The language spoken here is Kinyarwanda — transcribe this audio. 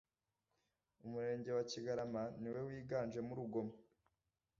umurenge wa kigarama niwe wiganjemo urugomo